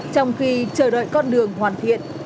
trong khi chờ đợi con đường hoàn thiện